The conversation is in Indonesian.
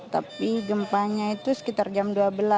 tapi gempanya itu sekitar jam dua belas